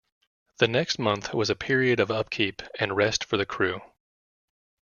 The next month was a period of upkeep and rest for the crew.